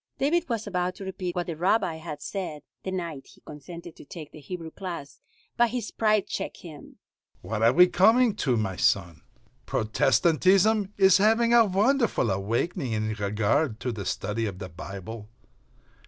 David was about to repeat what the Rabbi had said the night he consented to take the Hebrew class, but his pride checked him: "What are we coming to, my son? Protestantism is having a wonderful awakening in regard to the study of the Bible.